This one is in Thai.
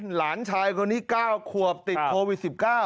หลานชายคนนี้๙ขวบติดโควิด๑๙